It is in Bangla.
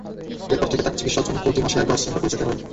এরপর থেকে তাঁকে চিকিৎসার জন্য প্রতি মাসে একবার সিঙ্গাপুরে যেতে হয়।